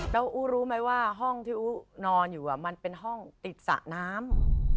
แล้วอู๋รู้ไหมว่าห้องที่อู๊นอนอยู่มันเป็นห้องติดสระน้ำ